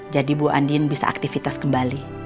jadi bu andin bisa aktivitas kembali